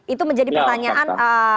itu menjadi pertanyaan